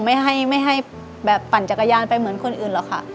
ไม่ให้แบบปั่นจักรยานไปเหมือนคนอื่นหรอกค่ะ